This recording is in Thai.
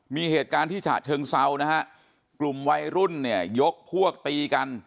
มีเหตุการณ์ที่ฉะเชิงเซานะฮะกลุ่มวัยรุ่นเนี่ยยกพวกตีกัน